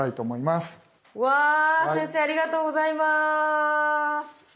わ先生ありがとうございます。